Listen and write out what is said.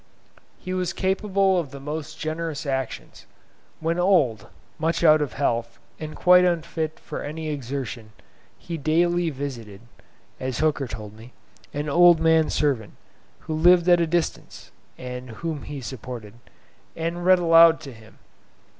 He was capable of the most generous actions. When old, much out of health, and quite unfit for any exertion, he daily visited (as Hooker told me) an old man servant, who lived at a distance (and whom he supported), and read aloud to him.